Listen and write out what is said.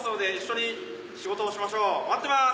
待ってます！